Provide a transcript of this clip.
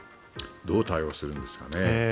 どう対応するんですかね。